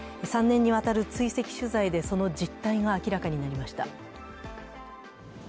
３年にわたる追跡取材でその実態が明らかになりました。